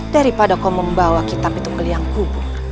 daripada kau membawa kitab itu ke liang kubur